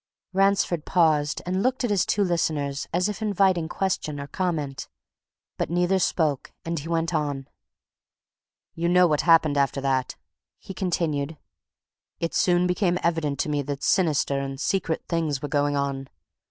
Ransford paused and looked at his two listeners as if inviting question or comment. But neither spoke, and he went on. "You know what happened after that," he continued. "It soon became evident to me that sinister and secret things were going on.